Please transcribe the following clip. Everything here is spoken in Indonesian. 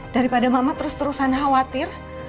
daripada mama terus terusan khawatir